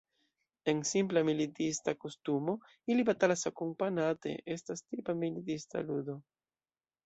En simpla militista kostumo ili batalas akompanate estas tipa militista ludo.